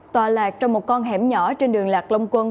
tòa lạc trong một con hẻm nhỏ trên đường lạc long quân